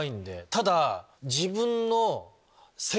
ただ。